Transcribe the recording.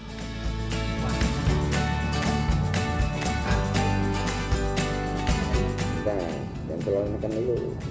kita jempolin makan dulu